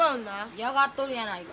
嫌がっとるやないか。